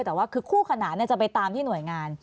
แต่ว่าคือคู่ขนานจะไปตามที่หน่วยงาน